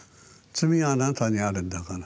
罪はあなたにあるんだから。